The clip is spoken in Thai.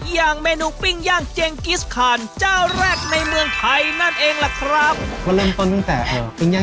อย่างเมนูปิ้งย่างเจงกิสคานเจ้าแรกในเมืองไทยนั่นเองล่ะครับ